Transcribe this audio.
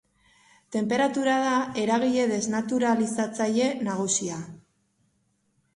Tenperatura da eragile desnaturalizatzaile nagusia.